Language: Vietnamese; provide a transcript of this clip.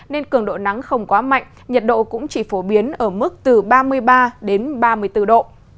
nên cường độ nắng không quá mạnh nhiệt độ cũng chỉ phổ biến ở mức từ ba mươi ba đến ba mươi bốn độ